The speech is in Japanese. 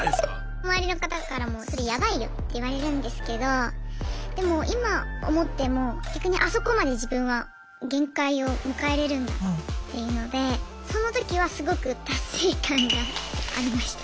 周りの方からもそれヤバいよって言われるんですけどでも今思っても逆にあそこまで自分は限界を迎えれるんだっていうのでその時はすごく達成感がありました。